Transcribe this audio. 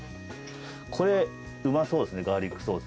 これうまそうですねガーリックソース。